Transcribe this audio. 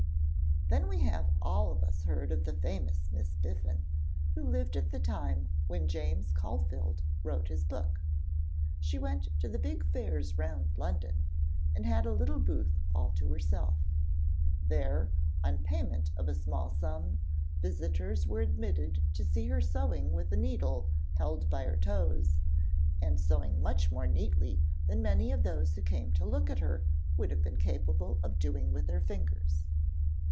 Then we have all of us heard of the famous Miss Biffin, who lived at the time when James Caulfield wrote his book. She went to the big fairs round London, and had a little booth all to herself. There, on payment of a small sum, visitors were admitted to see her sewing with a needle held by her toes, and sewing much more neatly than many of those who came to look at her would have been capable of doing with their fingers.